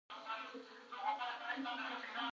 ازادي راډیو د تعلیمات د نجونو لپاره وضعیت انځور کړی.